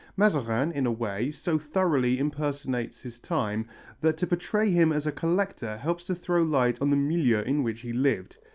Mazarin, in a way, so thoroughly impersonates his time, that to portray him as a collector helps to throw light on the milieu in which he lived.